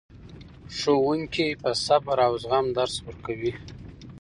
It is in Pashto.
ښوونکي په صبر او زغم درس ورکوي.